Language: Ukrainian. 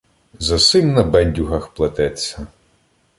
За сим на бендюгах плететься